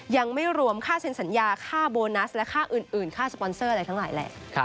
ยังไม่รวมค่าเซ็นสัญญาค่าโบนัสและค่าอื่นค่าสปอนเซอร์อะไรทั้งหลายแหละ